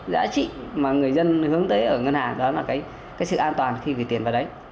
giá trị mà người dân hướng tới ở ngân hàng đó là cái sự an toàn khi gửi tiền vào đấy